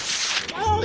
おい！